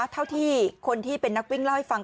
เท่าที่คนที่เป็นนักวิ่งเล่าให้ฟัง